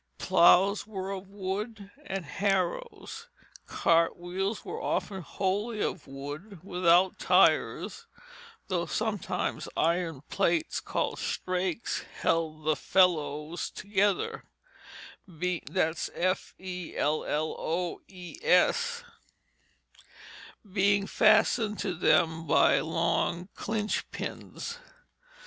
Ploughs were of wood, and harrows; cart wheels were often wholly of wood without tires, though sometimes iron plates called strakes held the felloes together, being fastened to them by long clinch pins.